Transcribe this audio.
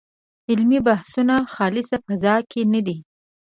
علمي بحثونه خالصه فضا کې نه دي.